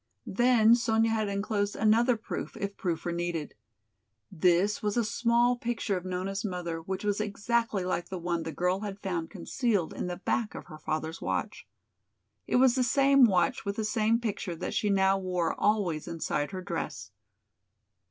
Then Sonya had also enclosed another proof, if proof were needed. This was a small picture of Nona's mother which was exactly like the one the girl had found concealed in the back of her father's watch. It was the same watch with the same picture that she now wore always inside her dress.